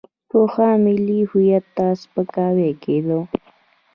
پخوا ملي هویت ته سپکاوی کېده.